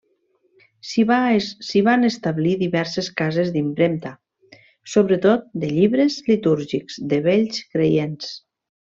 S'hi van establir diverses cases d'impremta, sobretot de llibres litúrgics de Vells creients.